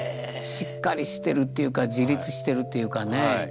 しっかりしてるっていうか自立してるっていうかね。